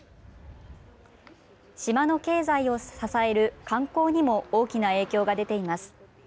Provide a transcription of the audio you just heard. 島の経済を支える観光にも大きな影響が出ています。